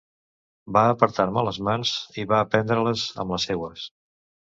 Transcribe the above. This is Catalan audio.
Va apartar-me les mans i va prendre-les amb les seues.